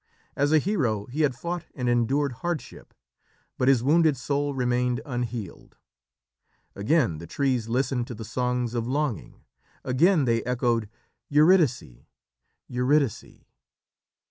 As a hero he had fought and endured hardship, but his wounded soul remained unhealed. Again the trees listened to the songs of longing. Again they echoed, "Eurydice! Eurydice!"